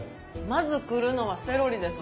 まずくるのはセロリです。